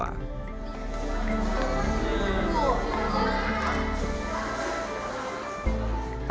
ada pula yang menggunakan kostum yang berbeda dengan kostum tionghoa